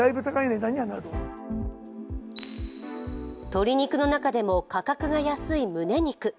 鶏肉の中でも、価格が安い胸肉。